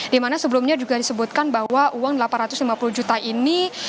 dimana sebelumnya juga disebutkan bahwa uang delapan ratus lima puluh juta ini